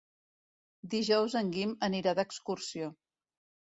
Dijous en Guim anirà d'excursió.